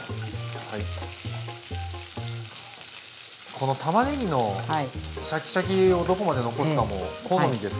このたまねぎのシャキシャキをどこまで残すかも好みですよね。